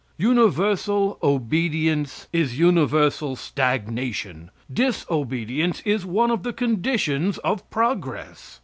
Universal obedience is universal stagnation; disobedience is one of the conditions of progress.